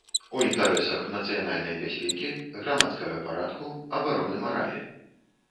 У інтарэсах нацыянальнай бяспекі, грамадскага парадку, абароны маралі.